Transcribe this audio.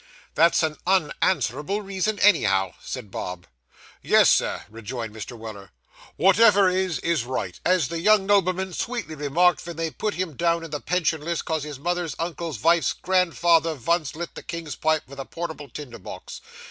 'That's an unanswerable reason, anyhow,' said Bob. 'Yes, sir,' rejoined Mr. Weller. 'Wotever is, is right, as the young nobleman sweetly remarked wen they put him down in the pension list 'cos his mother's uncle's vife's grandfather vunce lit the king's pipe vith a portable tinder box.